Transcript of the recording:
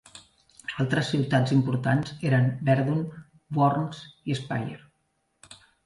Altres ciutats importants eren Verdun, Worms i Speyer.